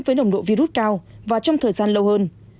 với nồng độ virus cao và trong thời gian lâu hơn